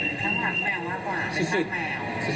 ทั้งรักแมวมากกว่าเป็นรักแมว